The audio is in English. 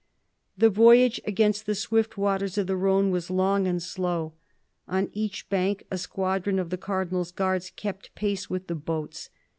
The voyage against the swift waters of the Rhone was long and slow. On each bank a squadron of the Cardinal's guards kept pace with the boats.